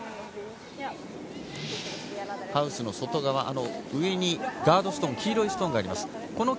ハウスの外側、上にガードストーン、黄色のストーンがあります。